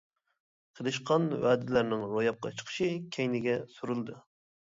قىلىشقان ۋەدىلەرنىڭ روياپقا چىقىشى كەينىگە سۈرۈلدى.